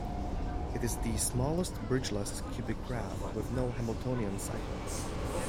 It is the smallest bridgeless cubic graph with no Hamiltonian cycle.